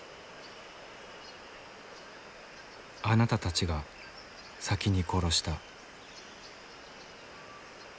「あなたたちが先に殺した」。